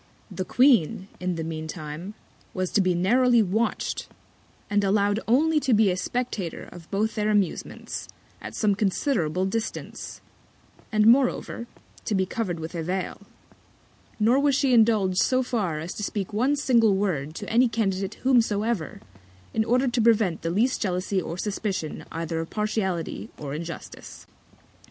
The Queen, in the mean Time, was to be narrowly watch'd, and allow'd only to be a Spectator of both their Amusements, at some considerable Distance; and moreover, to be cover'd with a Vail: Nor was she indulg'd so far as to speak one single Word to any Candidate whomsoever, in order to prevent the least Jealousy or Suspicion either of Partiality or Injustice.